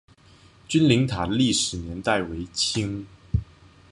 君灵塔的历史年代为清。